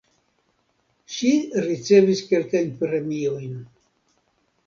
Ŝi ricevis kelkajn premiojn.